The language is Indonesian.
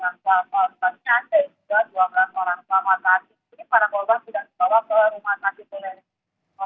yang akan diiriskan oleh armanda banu